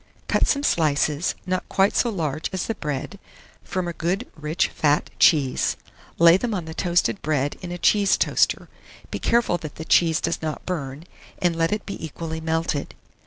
Cut some slices, not quite so large as the bread, from a good rich fat cheese; lay them on the toasted bread in a cheese toaster; be careful that the cheese does not burn, and let it be equally melted.